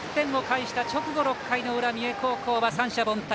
１点を返した直後６回の裏三重高校は三者凡退。